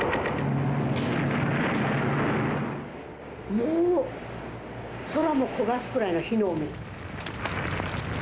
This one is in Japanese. もう空も焦がすくらいの火の海。